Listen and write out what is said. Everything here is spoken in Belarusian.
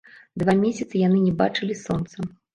Два месяцы яны не бачылі сонца.